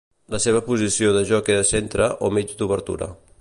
La seva posició de joc era centre o mig d'obertura.